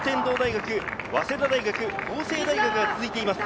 早稲田大学、法政大学が続いています。